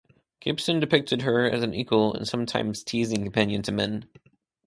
Gibson depicted her as an equal and sometimes teasing companion to men.